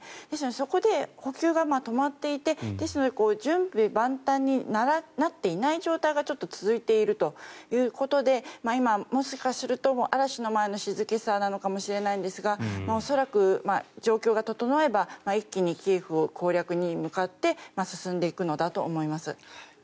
ですのでそこで補給が止まっていて準備万端になっていない状態がちょっと続いているということで今、もしかすると嵐の前の静けさなのかもしれないんですが恐らく、状況が整えば一気にキエフ攻略に向かって進んでいくのだと思います。